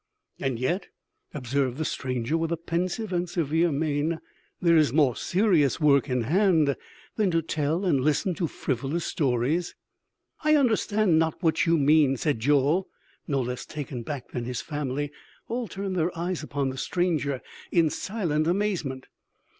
"And yet," observed the stranger with a pensive and severe mien, "there is more serious work in hand than to tell and listen to frivolous stories." "I understand not what you mean," said Joel no less taken back than his family; all turned their eyes upon the stranger in silent amazement.